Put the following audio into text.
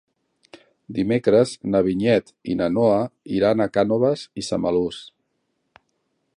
Dimecres na Vinyet i na Noa iran a Cànoves i Samalús.